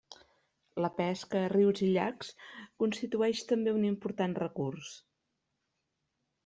La pesca a rius i llacs constitueix també un important recurs.